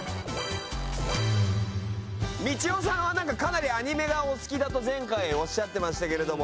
みちおさんはなんかかなりアニメがお好きだと前回おっしゃってましたけれども。